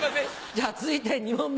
じゃあ続いて２問目。